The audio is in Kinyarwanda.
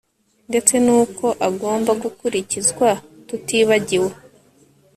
ndetse n'uko agomba gukurikizwa tutibagiwe